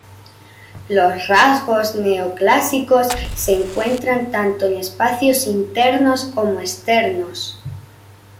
Los rasgos neoclásicos se encuentran tanto en espacios internos como externos.